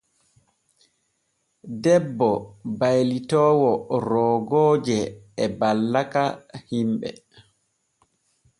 Debbo baylitoowo roogooje e ballaka himɓe.